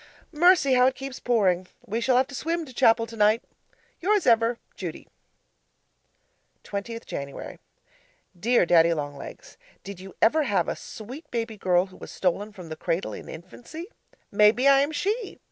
Mercy! how it keeps Pouring. We shall have to swim to chapel tonight. Yours ever, Judy 20th Jan. Dear Daddy Long Legs, Did you ever have a sweet baby girl who was stolen from the cradle in infancy? Maybe I am she!